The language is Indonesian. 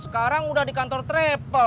sekarang udah di kantor traple